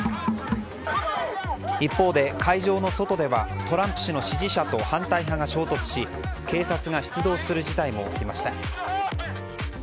一方で会場の外ではトランプ氏の支持者と反対派が衝突し警察が出動する事態も起きました。